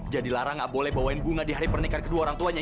jadi lara gak boleh bawain bunga di hari pernikahan kedua orang tuanya